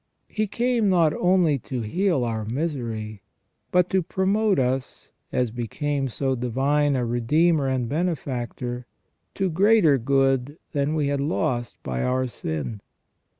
He came not only to heal our misery, but to promote us, as became so divine a Redeemer and Benefactor, to greater good than we had lost by our sin.